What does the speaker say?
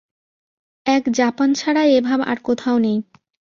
এক জাপান ছাড়া এ ভাব আর কোথাও নাই।